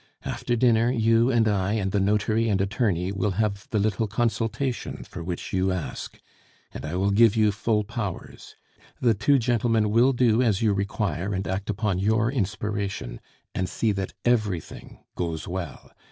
After dinner, you and I and the notary and attorney will have the little consultation for which you ask, and I will give you full powers. The two gentlemen will do as you require and act upon your inspiration; and see that everything goes well.